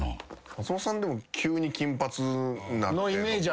松本さんでも急に金髪なってとか。